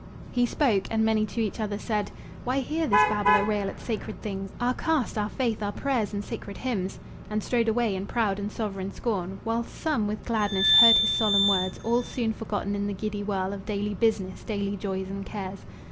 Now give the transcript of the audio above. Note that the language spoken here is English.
He spoke, and many to each other said: "Why hear this babbler rail at sacred things Our caste, our faith, our prayers and sacred hymns?" And strode away in proud and sovereign scorn; While some with gladness heard his solemn words, All soon forgotten in the giddy whirl Of daily business, daily joys and cares.